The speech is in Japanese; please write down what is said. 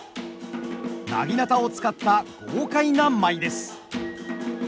薙刀を使った豪快な舞です。